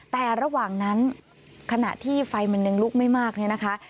แต่ระหว่างนั้นขณะที่ไฟมันยังลุกไม่มากเนี่ยนะคะ